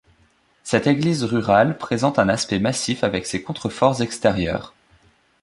Cette église rurale présente un aspect massif avec ses contreforts extérieurs.